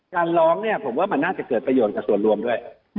ร้องเนี่ยผมว่ามันน่าจะเกิดประโยชน์กับส่วนรวมด้วย